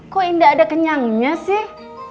kok indah ada kenyangnya sih